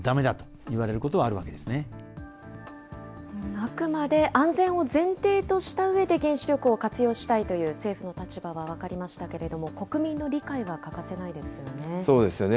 あくまで安全を前提としたうえで原子力を活用したいという政府の立場は分かりましたけれども、国民の理解は欠かせないですよね。